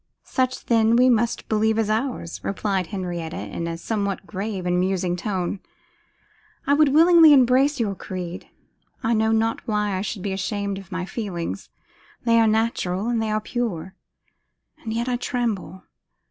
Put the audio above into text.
'Such, then, we must believe is ours,' replied Henrietta, in a somewhat grave and musing tone: 'I would willingly embrace your creed. I know not why I should be ashamed of my feelings. They are natural, and they are pure. And yet I tremble.